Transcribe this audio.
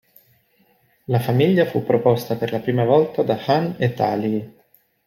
La famiglia fu proposta per la prima volta da Han "et al.